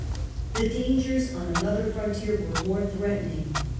The dangers on another frontier were more threat ening.